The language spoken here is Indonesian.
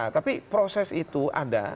tapi proses itu ada